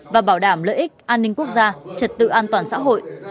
và bảo đảm lợi ích an ninh quốc gia trật tự an toàn xã hội